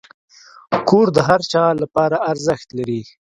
کور د هر چا لپاره ارزښت لري.